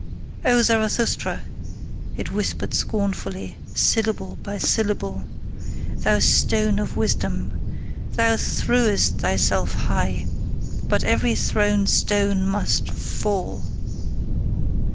"O Zarathustra," it whispered scornfully, syllable by syllable, "thou stone of wisdom! Thou threwest thyself high, but every thrown stone must fall!